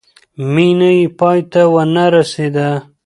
مینه یې پای ته ونه رسېده.